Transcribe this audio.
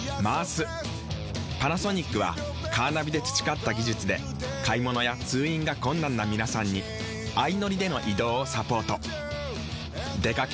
パナソニックはカーナビで培った技術で買物や通院が困難な皆さんに相乗りでの移動をサポート。